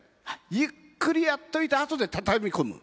ゆっくりやっといて後で畳み込む。